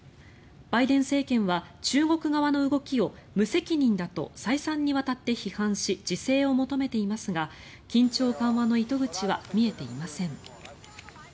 バイデン政権は中国側の動きを無責任だと再三にわたって批判し自制を求めていますが緊張緩和の糸口は見えていません。